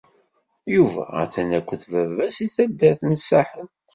Yuba atan akked baba-s deg taddart n Saḥel.